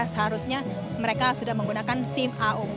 seharusnya mereka sudah menggunakan sim a umum